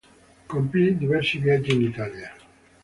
Compì diversi viaggi in Italia.